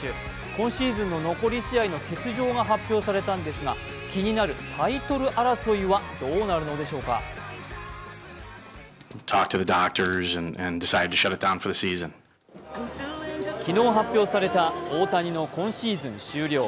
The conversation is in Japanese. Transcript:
今シーズンの残り試合の欠場が発表されたんですが気になるタイトル争いはどうなるのでしょうか昨日、発表された大谷の今シーズン終了。